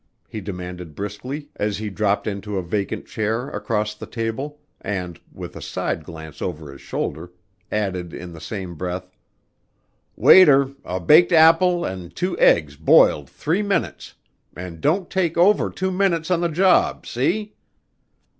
he demanded briskly as he dropped into a vacant chair across the table and, with a side glance over his shoulder, added in the same breath, "Waiter, a baked apple and two eggs boiled three minutes and don't take over two minutes on the job, see?"